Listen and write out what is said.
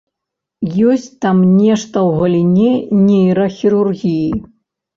Ёсць там нешта ў галіне нейрахірургіі.